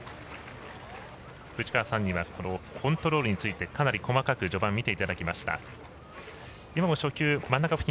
藤川さんにはコントロールについてかなり細かく序盤見ていただきました。